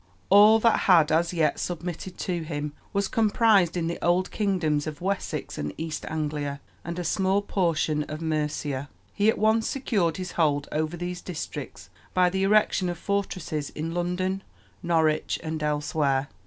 All that had as yet submitted to him was comprised in the old kingdoms of Wessex and East Anglia, and a small portion of Mercia. He at once secured his hold over these districts by the erection of fortresses in London, Norwich, and elsewhere.